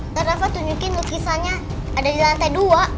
ntar rafa tunjukin lukisannya ada di lantai dua